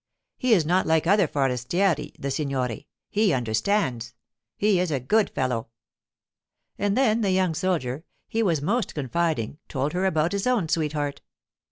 He is not like other forestieri, the signore; he understands. He is a good fellow.' And then the young soldier—he was most confiding—told her about his own sweetheart.